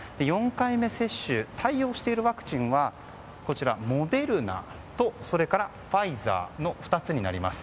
４回目接種対応しているワクチンはモデルナとファイザーの２つになります。